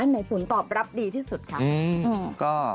อันไหนฝนตอบรับดีที่สุดครับ